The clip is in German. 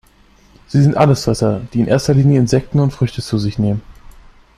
Sie sind Allesfresser, die in erster Linie Insekten und Früchte zu sich nehmen.